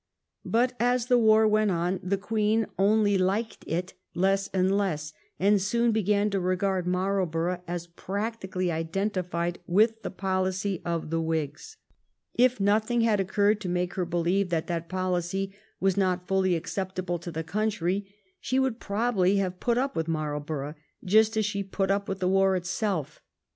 But as the war went on the Queen only liked it less and less, and she soon began to regard Marlborough as 338 THE TRIUMPH OF THE TORIES practically identified with the policy of the Whigs. If nothing had occurred to make her believe that that policy was not fully acceptable to the country, she would probably have put up with Marlborough just as she put up with the war itself.